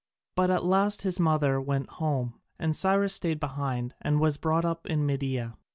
But at last his mother went home, and Cyrus stayed behind and was brought up in Media.